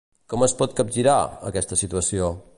Com es pot capgirar, aquesta situació?